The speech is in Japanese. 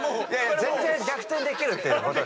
全然逆転できるっていう。